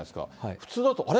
普通だと、あれ？